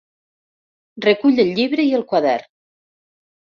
Recull el llibre i el quadern.